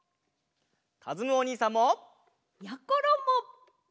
かずむおにいさんも！やころも！